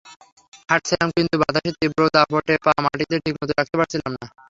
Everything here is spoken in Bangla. হাঁটছিলাম কিন্তু বাতাসের তীব্র দাপটে পা মাটিতে ঠিকমত রাখতে পারছিলাম না।